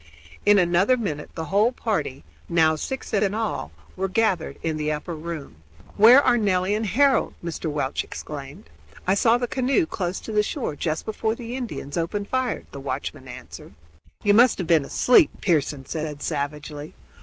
In another minute the whole party, now six in all, were gathered in the upper room. "Where are Nelly and Harold?" Mr. Welch exclaimed. "I saw the canoe close to the shore just before the Indians opened fire," the watchman answered. "You must have been asleep," Pearson said savagely.